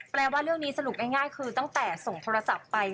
แปลว่าเรื่องนี้สรุปง่ายคือตั้งแต่ส่งโทรศัพท์ไป